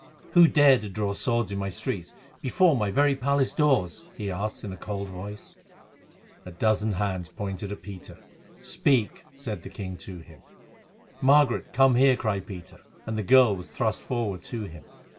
"Who dare to draw swords in my streets, before my very palace doors?" he asked in a cold voice. A dozen hands pointed at Peter. "Speak," said the king to him. "Margaret, come here," cried Peter; and the girl was thrust forward to him.